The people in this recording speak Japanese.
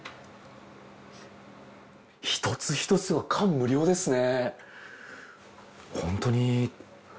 一つ一つが感無量ですね。